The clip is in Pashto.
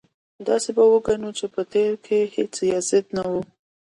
داسې به وګڼو چې په تېر کې هېڅ یزید نه و.